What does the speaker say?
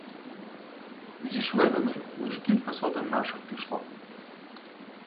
Зі шведами лиш кілька сотень наших пішло.